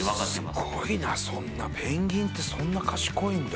すごいなそんなペンギンってそんな賢いんだ